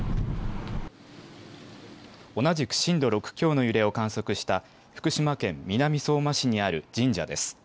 同じく震度６強の揺れを観測した福島県南相馬市にある神社です。